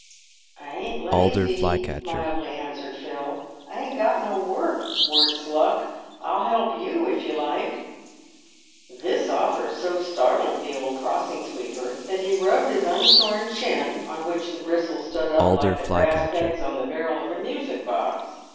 " I ain't lazy," mildly answered Phil. " I ain't got no work, worse luck. I'll help you, if you like." This offer so startled the old crossing sweeper, that he rubbed his unshorn chin, on which the bristles stood up like the brass pegs on the barrel of a musical box.